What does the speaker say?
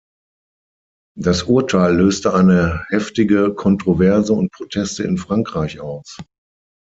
Das Urteil löste eine heftige Kontroverse und Proteste in Frankreich aus.